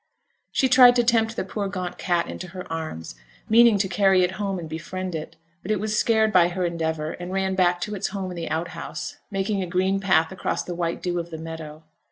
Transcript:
She tried to tempt the poor gaunt cat into her arms, meaning to carry it home and befriend it; but it was scared by her endeavour and ran back to its home in the outhouse, making a green path across the white dew of the meadow.